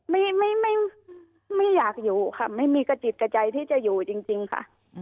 ไม่ไม่อยากอยู่ค่ะไม่มีกระจิตกระใจที่จะอยู่จริงค่ะ